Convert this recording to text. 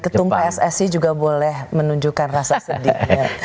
ketum pssi juga boleh menunjukkan rasa sedih